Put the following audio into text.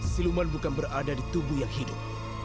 siluman bukan berada di tubuh yang hidup